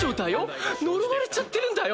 呪われちゃってるんだよ？